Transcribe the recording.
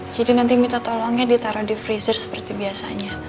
jadi nanti minta tolongnya ditaruh di freezer seperti biasanya